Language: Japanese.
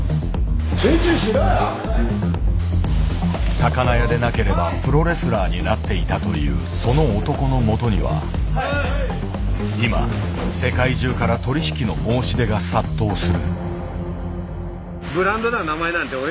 魚屋でなければプロレスラーになっていたというその男のもとには今世界中から取り引きの申し出が殺到する。